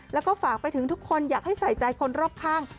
แล้วก็ฝากไปถึงทุกคนอยากให้ใส่ใจคนรอบข้าง